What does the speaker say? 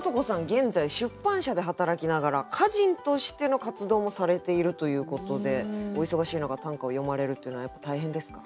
現在出版社で働きながら歌人としての活動もされているということでお忙しい中短歌を詠まれるというのはやっぱ大変ですか？